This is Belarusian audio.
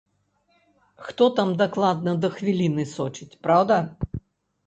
Хто там дакладна да хвіліны сочыць, праўда?